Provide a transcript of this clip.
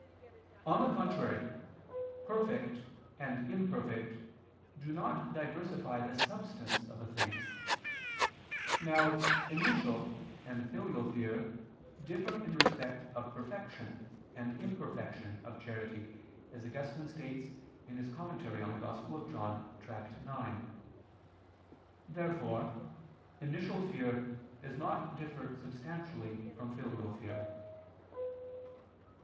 On the contrary, Perfect and imperfect do not diversify the substance of a thing. Now initial and filial fear differ in respect of perfection and imperfection of charity, as Augustine states (In prim. canon. Joan. Tract. ix). Therefore initial fear does not differ substantially from filial fear.